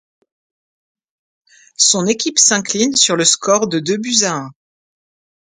Son équipe s'incline sur le score de deux buts à un.